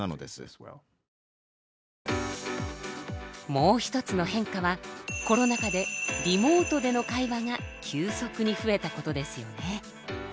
もう一つの変化はコロナ禍でリモートでの会話が急速に増えたことですよね。